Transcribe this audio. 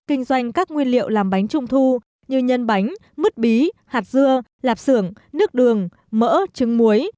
kinh doanh các nguyên liệu làm bánh trung thu như nhân bánh mứt bí hạt dưa lạp sưởng nước đường mỡ trứng muối